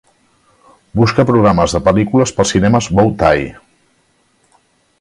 Busca programes de pel·lícules pels cines Bow Tie.